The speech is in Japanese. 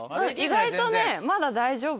意外とねまだ大丈夫。